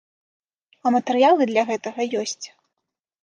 А матэрыялы для гэтага ёсць.